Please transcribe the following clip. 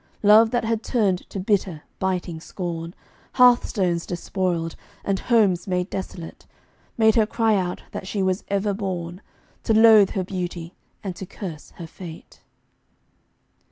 Love that had turned to bitter, biting scorn, Hearthstones despoiled, and homes made desolate, Made her cry out that she was ever born, To loathe her beauty and to curse her fate.